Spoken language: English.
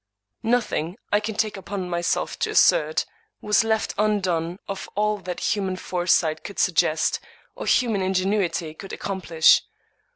Nothing, I can take upon myself to assert, was left undone of all that human fore sight could suggest, or human ingenuity could accomplish.